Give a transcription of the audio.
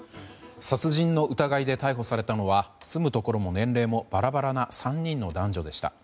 殺人の疑いで逮捕されたのは住むところも年齢もバラバラな３人の男女でした。